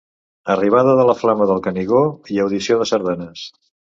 Arribada de la flama del Canigó i audició de sardanes.